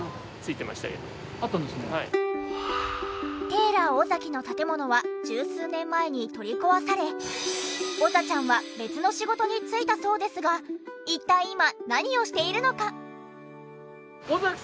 テーラー尾崎の建物は十数年前に取り壊されおざちゃんは別の仕事に就いたそうですが一体今何をしているのか？